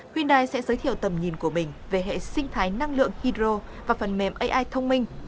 hyundai sẽ giới thiệu tầm nhìn của mình về hệ sinh thái năng lượng hydro và phần mềm ai thông minh